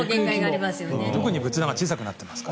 特に仏壇は小さくなっていますから。